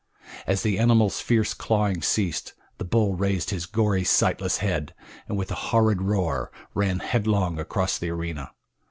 As the animal's fierce clawing ceased, the bull raised his gory, sightless head, and with a horrid roar ran headlong across the arena.